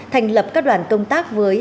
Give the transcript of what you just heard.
thành lập các đoàn công tác với